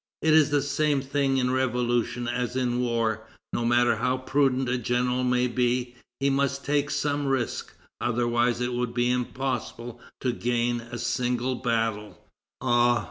It is the same thing in revolution as in war; no matter how prudent a general may be, he must take some risk. Otherwise it would be impossible to gain a single battle." Ah!